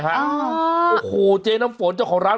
โอ้โหเจ๊น้ำฝนเจ้าของร้าน